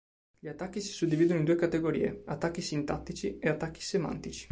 Gli attacchi si suddividono in due categorie, Attacchi Sintattici e Attacchi Semantici.